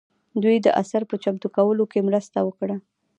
دوی د اثر په چمتو کولو کې مرسته وکړه.